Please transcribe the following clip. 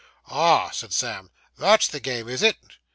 'Ah,' said Sam, 'that's the game, is it?